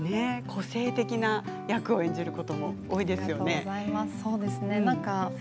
個性的な役を演じることも多いですよね。